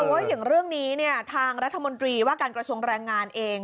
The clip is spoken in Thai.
แต่ว่าอย่างเรื่องนี้เนี่ยทางรัฐมนตรีว่าการกระทรวงแรงงานเอง